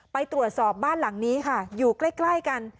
ไปตรวจสอบบ้านหลังนี้ค่ะอยู่ใกล้กัน